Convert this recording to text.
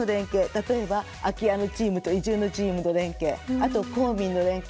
例えば、移住のチームと空き家のチームの連携、そして公民の連携。